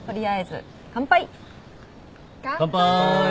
乾杯。